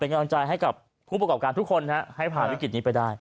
กำลังใจให้กับผู้ประกอบการทุกคนให้ผ่านวิกฤตนี้ไปได้